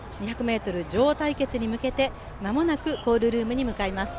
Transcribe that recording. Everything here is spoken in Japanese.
２００ｍ女王対決に向けて、間もなくコールルームに向かいます。